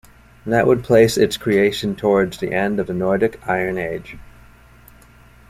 That would place its creation towards the end of the Nordic Iron Age.